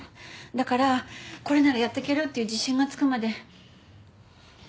だからこれならやってけるっていう自信がつくまで。